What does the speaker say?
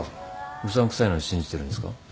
うさんくさいのに信じてるんですか？